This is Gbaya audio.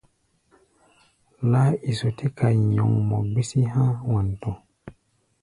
Laáiso tɛ́ kai nyɔŋmɔ gbísí há̧ Wanto.